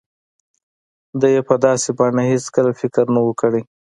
ده يې په داسې بڼه هېڅکله فکر نه و کړی.